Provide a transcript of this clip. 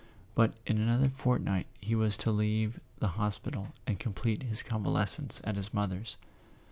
But in another fortnight he was to leave the hospital and complete his convalescence at his mother's.